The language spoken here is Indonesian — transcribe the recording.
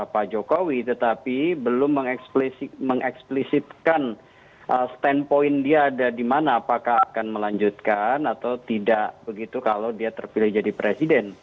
pak jokowi tetapi belum mengeksplisitkan standpoint dia ada di mana apakah akan melanjutkan atau tidak begitu kalau dia terpilih jadi presiden